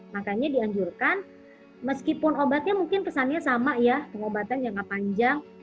makanya dianjurkan meskipun obatnya mungkin kesannya sama ya pengobatan jangka panjang